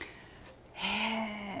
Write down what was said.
へえ！